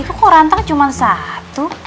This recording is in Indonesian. itu kok rantang cuma satu